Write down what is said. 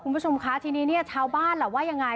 คุณผู้ชมคะทีนี้เนี่ยชาวบ้านล่ะว่ายังไง